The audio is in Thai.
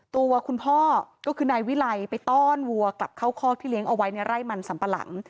ตัวคุณพ่อก็คือนายวิไลไปต้อนวัวกลับเข้าคอกที่เลี้ยงเอาไว้ในไร่มันสัมปะหลัง